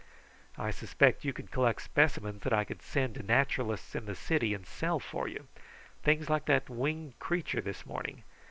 I suspect you could collect specimens that I could send to naturalists in the city and sell for you; things like that winged creature, this morning.